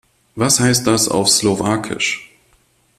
Was heißt das auf Slowakisch?